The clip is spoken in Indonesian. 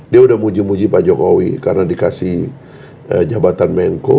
dia udah muji muji pak jokowi karena dikasih jabatan menko